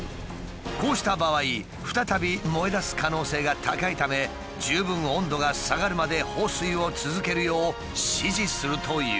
こうした場合再び燃えだす可能性が高いため十分温度が下がるまで放水を続けるよう指示するという。